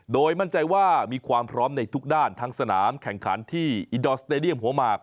โดยมั่นใจว่ามีความพร้อมในทุกด้านทั้งสนามแข่งขันที่อินดอร์สเตดียมหัวหมาก